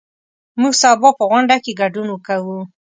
موږ سبا په غونډه کې ګډون کوو.